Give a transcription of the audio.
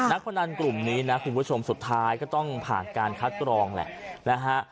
พนันกลุ่มนี้นะคุณผู้ชมสุดท้ายก็ต้องผ่านการคัดกรองแหละนะฮะ